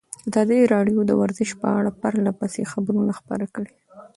ازادي راډیو د ورزش په اړه پرله پسې خبرونه خپاره کړي.